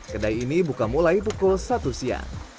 kedai ini buka mulai pukul satu siang